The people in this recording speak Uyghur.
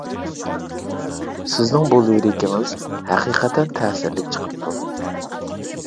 سىزنىڭ بۇ لىرىكىڭىز ھەقىقەتەن تەسىرلىك چىقىپتۇ!